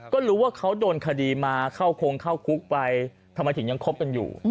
ก็รู้ว่าเขาโดนคดีมาเข้าคงเข้าคุกไปทำไมถึงยังคบกันอยู่